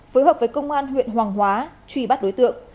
phối hợp với công an huyện hoàng hóa truy bắt đối tượng